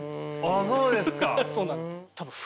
あっそうですか。